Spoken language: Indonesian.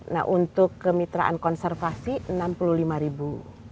nah untuk kemitraan konservasi enam puluh lima ribu